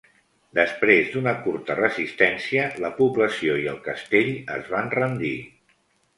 Després d'una curta resistència, la població i el castell es van rendir.